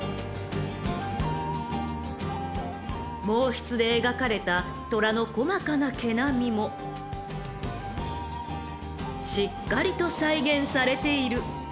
［毛筆で描かれた虎の細かな毛並みもしっかりと再現されている。